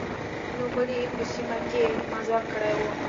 نوموړي په سیمه کې مزل کړی و.